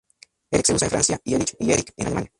Eric se usa en Francia, y Erich y Erik en Alemania.